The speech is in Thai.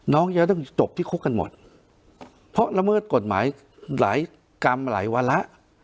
น้องจะต้องจบที่คุกกันหมดเพราะละเมิดกฎหมายหลายกรรมหลายวาระ